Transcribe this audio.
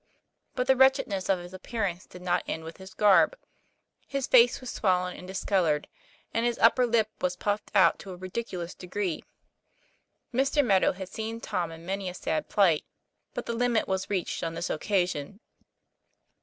But the wretchedness of his appearance did not end with his garb. His face was swollen and discolored; and his upper lip was puffed out to a ridiculous degree. Mr. Meadow had seen Tom in many a sad plight, but the limit was reached on this occasion.